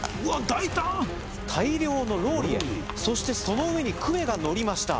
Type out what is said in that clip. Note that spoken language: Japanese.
大胆大量のローリエそしてその上にクエが載りました